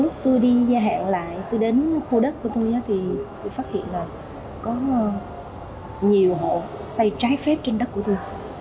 cả hai khu đất của tôi thì tôi phát hiện là có nhiều hộ xây trái phép trên đất của tôi